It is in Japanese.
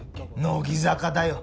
乃木坂だよ！